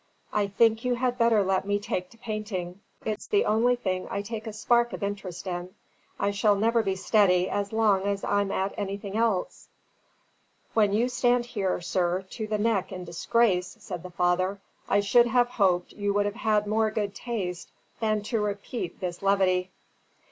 I think you had better let me take to painting. It's the only thing I take a spark of interest in. I shall never be steady as long as I'm at anything else." "When you stand here, sir, to the neck in disgrace," said the father, "I should have hoped you would have had more good taste than to repeat this levity."